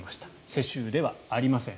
世襲ではありません。